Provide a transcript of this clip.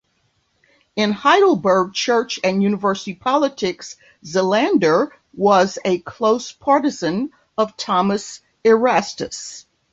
In Heidelberg church and university politics, Xylander was a close partisan of Thomas Erastus.